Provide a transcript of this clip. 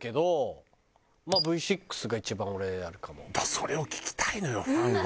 それを聞きたいのよファンは。